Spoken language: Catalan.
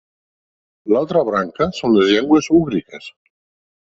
L'altra branca són les Llengües úgriques.